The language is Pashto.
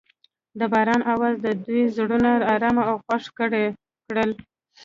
د باران اواز د دوی زړونه ارامه او خوښ کړل.